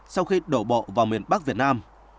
sau khi đổ bộ vào miền bắc việt nam